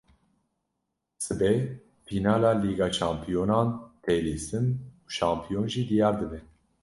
Sibê fînala Lîga Şampiyonan tê lîstin û şampiyon jî diyar dibe